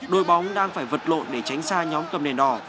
đội bóng đang phải vật lộn để tránh xa nhóm cầm nền đỏ